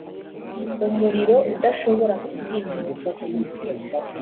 umuriro udashobora kuzimywa